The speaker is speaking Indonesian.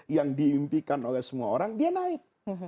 yang diimpikan oleh semua orang dia naik